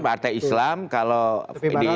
partai islam kalau di tepi barat itu lebih peran